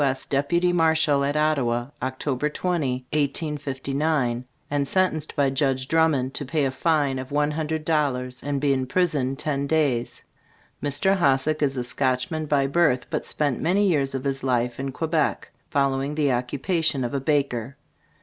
S. Deputy Marshal at Ottawa, Oct. 20, 1859, and sentenced by Judge Drummond to pay a fine of one hundred dollars, and be imprisoned ten days. Mr. HOSSACK is a Scotchman by birth, but spent many years of his life in Quebec, following the occupation of a baker.